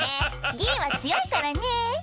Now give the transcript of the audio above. ギィは強いからね。